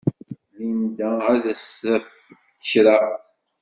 Linda ad d-taf kra.